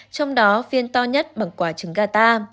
trong đó phiên to nhất bằng quả trứng gà ta